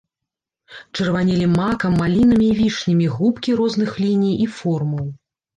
Чырванелі макам, малінамі і вішнямі губкі розных ліній і формаў.